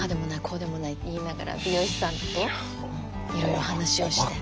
こうでもないって言いながら美容師さんといろいろ話をして。